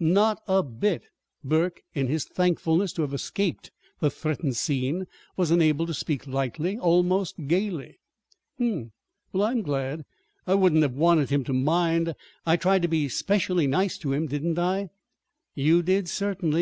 "Not a bit!" Burke, in his thankfulness to have escaped the threatened scene, was enabled to speak lightly, almost gayly. "Hm m. Well, I'm glad. I wouldn't have wanted him to mind. I tried to be 'specially nice to him, didn't I?" "You did, certainly."